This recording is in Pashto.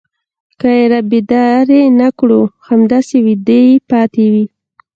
که يې رابيدارې نه کړو همداسې ويدې پاتې وي.